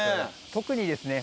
特にですね